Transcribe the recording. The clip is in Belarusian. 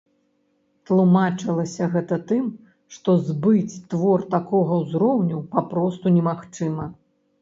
Тлумачылася гэта тым, што збыць твор такога ўзроўню папросту немагчыма.